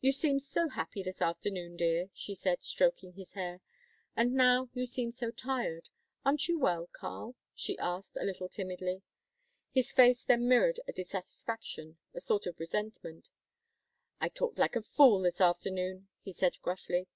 "You seemed so happy this afternoon, dear," she said, stroking his hair, "and now you seem so tired. Aren't you well, Karl?" she asked, a little timidly. His face then mirrored a dissatisfaction, a sort of resentment. "I talked like a fool this afternoon!" he said gruffly.